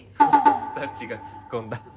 サチがツッコんだ。